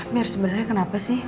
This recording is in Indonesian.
mir sebenarnya kenapa sih